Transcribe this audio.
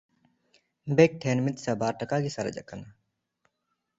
ᱵᱮᱠ ᱴᱷᱮᱱ ᱢᱤᱫᱥᱟᱭ ᱵᱟᱨ ᱴᱟᱠᱟ ᱜᱮ ᱥᱟᱨᱮᱡ ᱠᱟᱱᱟ᱾